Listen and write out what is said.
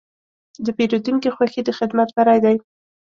د پیرودونکي خوښي د خدمت بری دی.